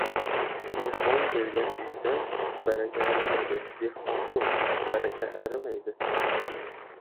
— Mehmon kelgan uydan baraka arimaydi, Dehqonqul, baraka arimaydi.